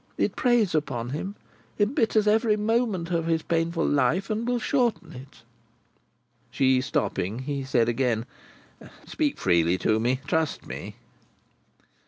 It preys upon him, embitters every moment of his painful life, and will shorten it." She stopping, he said again: "Speak freely to me. Trust me."